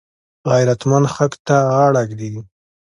غیرتمند حق ته غاړه ږدي